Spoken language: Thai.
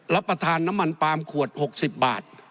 รับประทานน้ำมันปาล์มขวด๖๐บาท